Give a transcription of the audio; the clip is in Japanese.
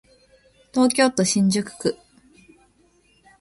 東京都新宿区